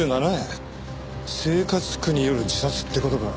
生活苦による自殺って事か。